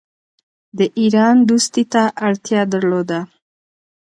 د ایران دوستی ته اړتیا درلوده.